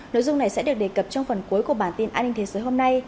nội dung này sẽ được đề cập trong phần cuối của bản tin an ninh thế giới hôm nay